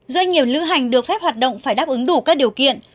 doanh nghiệp lữ hành được phép hoạt động phải đáp ứng đủ các điều kiện